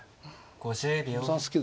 ５０秒。